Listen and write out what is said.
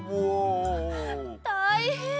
たいへん！